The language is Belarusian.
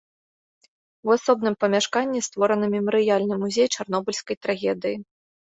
У асобным памяшканні створаны мемарыяльны музей чарнобыльскай трагедыі.